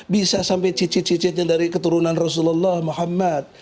bisa sampai cicit cicitnya dari keturunan rasulullah muhammad